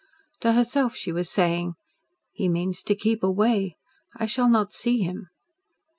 To herself she was saying: "He means to keep away. I shall not see him."